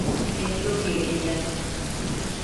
Beni çok iyi dinle.